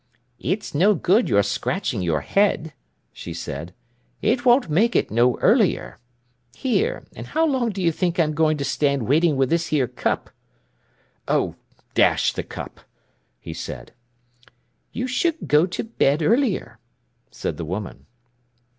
"It's no good your scratching your head," she said. "It won't make it no earlier. Here, an' how long d'you think I'm going to stand waiting wi' this here cup?" "Oh, dash the cup!" he said. "You should go to bed earlier," said the woman.